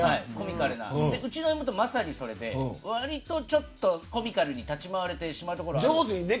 うちの妹は、まさにそれで割とコミカルに立ち回れてしまうところがあるので。